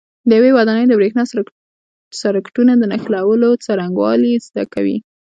د یوې ودانۍ د برېښنا سرکټونو د نښلولو څرنګوالي زده کوئ.